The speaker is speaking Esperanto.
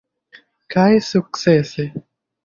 Kaj sukcese!